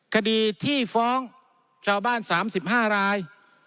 คดีที่ฟ้องชาวบ้าน๓๕ราย